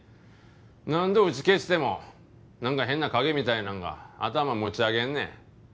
何度打ち消してもなんか変な影みたいなんが頭持ち上げんねん。